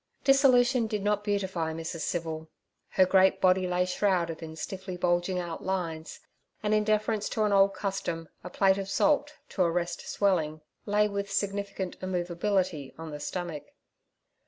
Dissolution did not beautify Mrs. Civil. Her great body lay shrouded in stiffly bulging outlines, and in deference to an old custom a plate of salt, to arrest swelling, lay with significant immovability on the stomach.